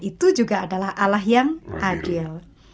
itu juga adalah alah yang adil